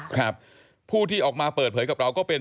ครับผู้ที่ออกมาเปิดเผยกับเราก็เป็น